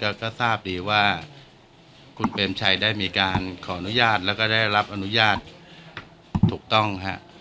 ก็ทราบดีว่าคุณเปรมชัยได้มีการขออนุญาตแล้วก็ได้รับอนุญาตถูกต้องฮะ